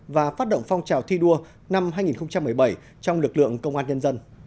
và phát động phong trào thi đua năm hai nghìn một mươi bảy trong lực lượng công an nhân dân